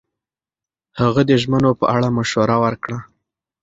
هغه د ژمنو په اړه مشوره ورکړه.